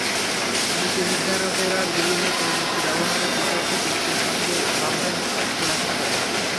নীতিনির্ধারকেরা গৃহে প্রযুক্তি ব্যবহারের বিষয়টি গুরুত্বের সঙ্গে ভাববেন বলে আশা করি।